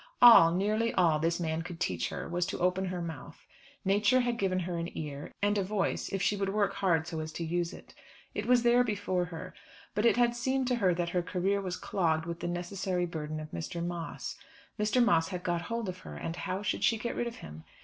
All, nearly all, this man could teach her was to open her mouth. Nature had given her an ear, and a voice, if she would work hard so as to use it. It was there before her. But it had seemed to her that her career was clogged with the necessary burden of Mr. Moss. Mr. Moss had got hold of her, and how should she get rid of him?